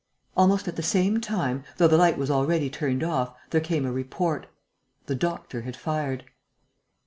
Almost at the same time, though the light was already turned off, there came a report: the doctor had fired.